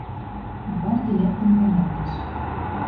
Гварди лӓктӹн кӓнӓлтӓш.